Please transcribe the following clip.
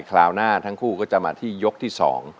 คราวหน้าทั้งคู่ก็จะมาที่ยกที่๒